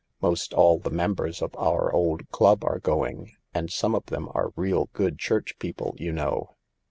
Most all the members of our old club are going, and some of them are real good church people, you know.